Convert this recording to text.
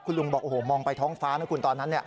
ลุงบอกโอ้โหมองไปท้องฟ้านะคุณตอนนั้น